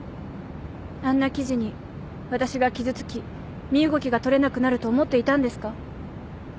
あんな記事に私が傷つき身動きが取れなくなると思っていたんですか？